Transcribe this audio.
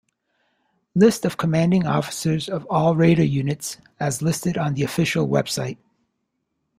List of commanding officers of all Raider units, as listed on the official website.